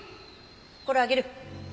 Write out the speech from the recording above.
これあげる。